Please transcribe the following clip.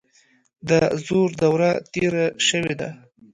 د زور دوره تیره شوې ده.